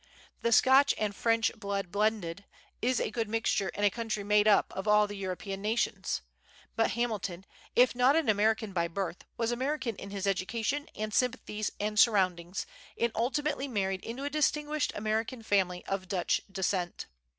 The Scotch and French blood blended, is a good mixture in a country made up of all the European nations. But Hamilton, if not an American by birth, was American in his education and sympathies and surroundings, and ultimately married into a distinguished American family of Dutch descent.